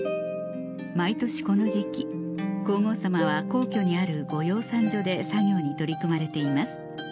毎年この時期皇后さまは皇居にある御養蚕所で作業に取り組まれています